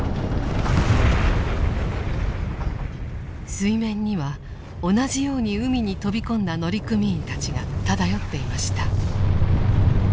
水面には同じように海に飛び込んだ乗組員たちが漂っていました。